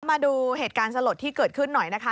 มาดูเหตุการณ์สลดที่เกิดขึ้นหน่อยนะคะ